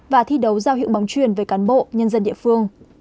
và thi đấu giao hiệu bóng truyền với cán bộ nhân dân địa phương